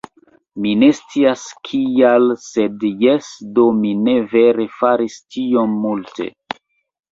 Mi ne scias kial sed, jes, do mi ne vere faris tiom multe